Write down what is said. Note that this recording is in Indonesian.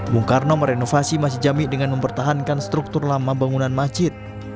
bung karno merenovasi masjid jami dengan mempertahankan struktur lama bangunan masjid